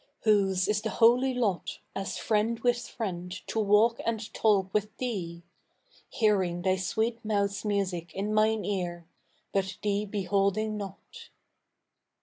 Whose is the holy lot As friend with friend to walk and talk with thee, Hearing thy sweet moutJi's music in mine ear, But thee beholding not.